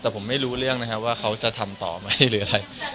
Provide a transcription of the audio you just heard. แต่ผมไม่รู้เรื่องนะครับว่าเขาจะทำต่อไหมหรืออะไร